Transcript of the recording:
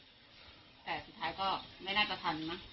แต่สุดท้ายก็ไม่น่าจะทันมั้ง